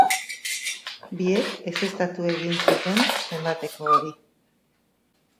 Biek ezeztatu egin zuten zenbateko hori.